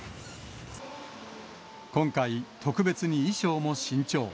今回、特別に衣装も新調。